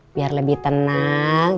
biar lebih tenang